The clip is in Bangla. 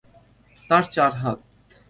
তার চার হাত।